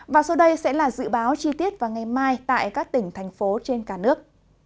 và sau đây sẽ là dự báo chi tiết vào ngày mai tại các tỉnh thành phố trên cả nước